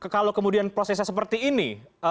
kalau kemudian prosesnya seperti ini